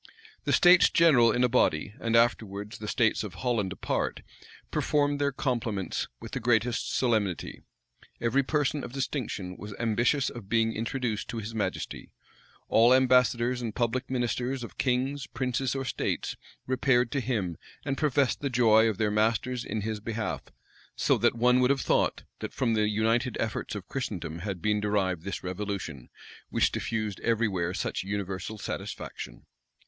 The states general in a body, and afterwards the states of Holland apart, performed their compliments with the greatest solemnity: every person of distinction was ambitious of being introduced to his majesty; all ambassadors and public ministers of kings, princes, or states, repaired to him, and professed the joy of their masters in his behalf; so that one would have thought, that from the united efforts of Christendom had been derived this revolution, which diffused every where such universal satisfaction.